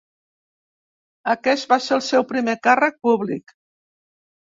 Aquest va ser el seu primer càrrec públic.